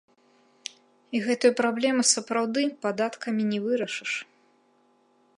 І гэтую праблему, сапраўды, падаткамі не вырашыш.